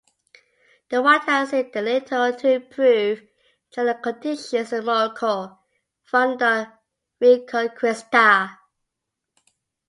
The Wattasid did little to improve general conditions in Morocco following the "Reconquista".